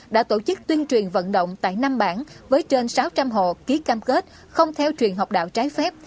đã tổ chức tuyên truyền vận động tại năm bản với trên sáu trăm linh hộ ký cam kết không theo truyền học đạo trái phép